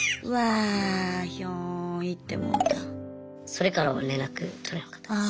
それからは連絡取れなかったです。